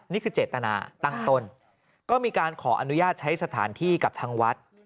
นี่คือเจตนาตั้งต้นก็มีการขออนุญาตใช้สถานที่กับทางวัด